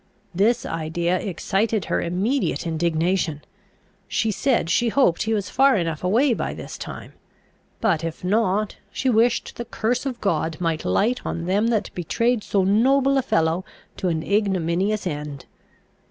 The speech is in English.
This idea excited her immediate indignation: she said, she hoped he was far enough away by this time; but if not, she wished the curse of God might light on them that betrayed so noble a fellow to an ignominious end!